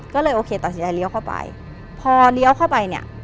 ก็เลยโอเคตัดสินใจเลี้ยวเข้าไปพอเลี้ยวเข้าไปเนี่ย